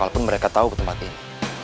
walaupun mereka tahu ke tempat ini